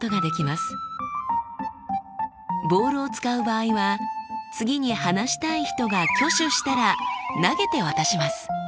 ボールを使う場合は次に話したい人が挙手したら投げて渡します。